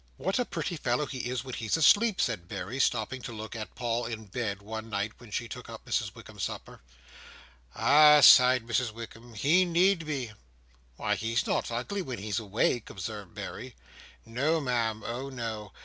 "What a pretty fellow he is when he's asleep!" said Berry, stopping to look at Paul in bed, one night when she took up Mrs Wickam's supper. "Ah!" sighed Mrs Wickam. "He need be." "Why, he's not ugly when he's awake," observed Berry. "No, Ma'am. Oh, no.